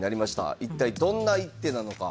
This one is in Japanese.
一体どんな一手なのか？